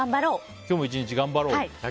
今日も１日頑張ろうと。